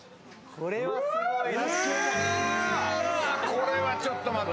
これはちょっと待った。